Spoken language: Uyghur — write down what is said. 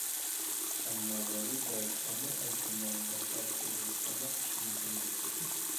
ئەمما ۋەلى بەگ ئەمىر ئەلىشىرنىڭ مەسلىھەتىسىز ھېچقانداق ئىشنى قىلمايتتى.